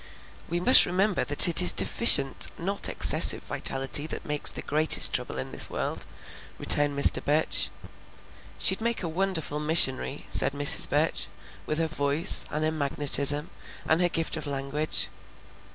"We must remember that it is deficient, not excessive vitality, that makes the greatest trouble in this world," returned Mr. Burch. "She'd make a wonderful missionary," said Mrs. Burch; "with her voice, and her magnetism, and her gift of language."